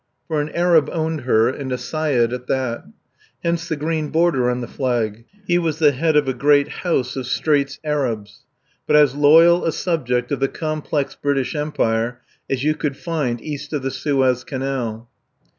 For an Arab owned her, and a Syed at that. Hence the green border on the flag. He was the head of a great House of Straits Arabs, but as loyal a subject of the complex British Empire as you could find east of the Suez Canal.